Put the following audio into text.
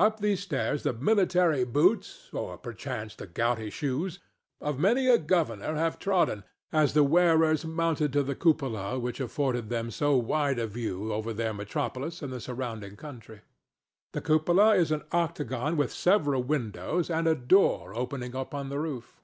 Up these stairs the military boots, or perchance the gouty shoes, of many a governor have trodden as the wearers mounted to the cupola which afforded them so wide a view over their metropolis and the surrounding country. The cupola is an octagon with several windows, and a door opening upon the roof.